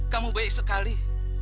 kamu baik sekali